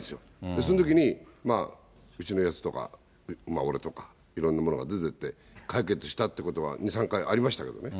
そのときに、うちのやつとか俺とか、いろんなものが出てって、解決したってことが２、３回ありましたけどね。